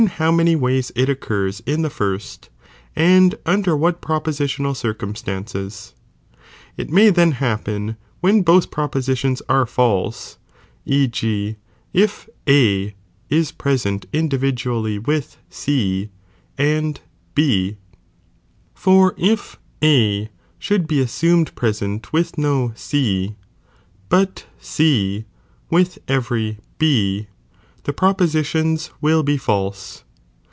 bow many ways it occurs in the first, and under Jmiui*^ what prupositional circumstances. It may then "»» no noi happen when both propositions are false, e. g. if iimi ;n»«i Id A is present individually with C and B, for if A "' should be assumed present with no C, but C with every B, the propositions will be false.